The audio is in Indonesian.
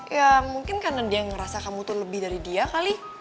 ya mungkin karena dia ngerasa kamu tuh lebih dari dia kali